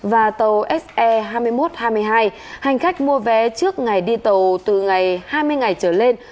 và tàu se hai mươi một hai mươi hai hành khách mua vé trước ngày đi tàu từ ngày hai mươi ngày trở lên